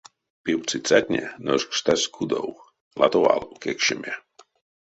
Пивсыцятне ношкстасть кудов, латалов кекшеме.